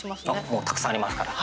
もうたくさんありますから。